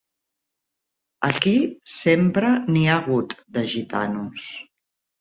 Aquí sempre n'hi ha hagut, de gitanos.